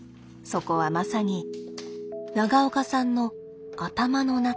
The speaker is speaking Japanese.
そこはまさに長岡さんの頭の中。